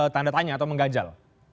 tanda tanya atau menggajal